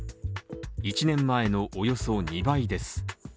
１年前のおよそ２倍です。